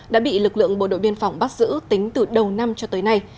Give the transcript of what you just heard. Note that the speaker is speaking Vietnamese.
đã bị lực lượng bộ đội biên phòng bắt giữ tính từ đầu năm cho tới nay